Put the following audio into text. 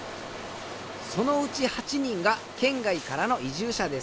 そのうち８人が県外からの移住者です。